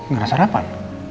gak ada sarapan